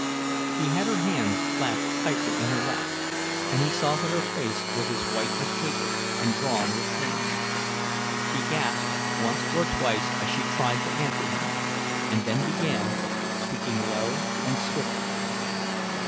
She had her hands clasped tightly in her lap, and he saw that her face was as white as paper, and drawn with pain. She gasped once or twice as she tried to answer him, and then began, speaking low, and swiftly.